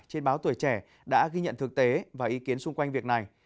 trên báo tuổi trẻ đã ghi nhận thực tế và ý kiến xung quanh việc này